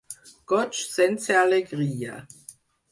Goig sense alegria.